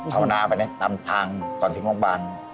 เอาหน้าไปตามทางก่อนทิ้งโรงพยาบาล